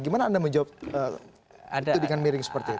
gimana anda menjawab itu dengan miring seperti itu